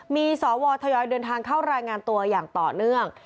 มีสวทยอยเดินทางเข้ารายงานตัวอย่างต่อเนื่อง